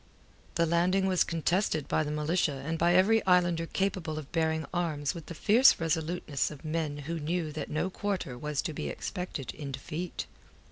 The landing was contested by the militia and by every islander capable of bearing arms with the fierce resoluteness of men who knew that no quarter was to be expected in defeat.